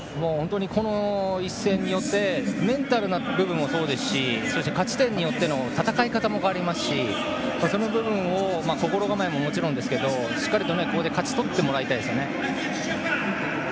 この一戦によってメンタルの部分もそうですし勝ち点によっての戦い方も変わりますし心構えももちろんですけどしっかりここで勝ち取ってもらいたいですね。